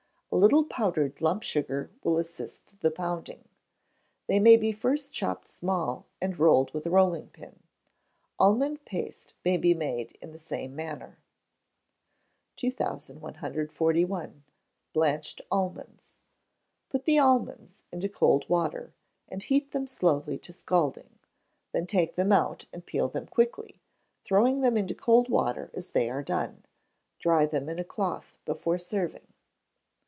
A little powdered lump sugar will assist the pounding. They may be first chopped small, and rolled with a rolling pin. Almond Paste may be made in the same manner. 2141. Blanched Almonds. Put the almonds into cold water, and heat them slowly to scalding; then take them out and peel them quickly, throwing them into cold water as they are done. Dry them in a cloth before serving.